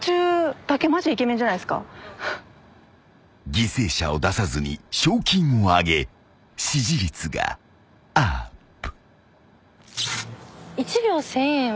［犠牲者を出さずに賞金を上げ支持率がアップ］